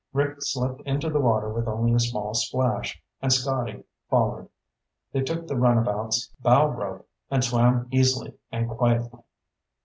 Rick slipped into the water with only a small splash, and Scotty followed. They took the runabout's bow rope and swam easily and quietly.